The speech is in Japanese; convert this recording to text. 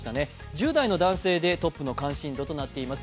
１０代の男性でトップの関心度となっています。